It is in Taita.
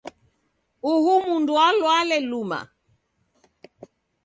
Uhu mndu walwale luma